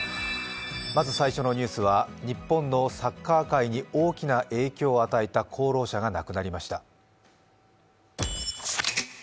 まず最初のニュースは日本のサッカー界に大きな影響を与えた功労者が亡くなりました。